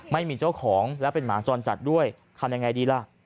ไม่มีเจ้าของและเป็นหมาจรจัดด้วยทำยังไงดีล่ะ